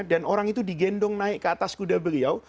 dan orang itu digendong naik ke atas kuda beliau